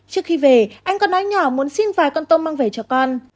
trước khi về anh còn nói nhỏ muốn xin vài con tôm mang về cho con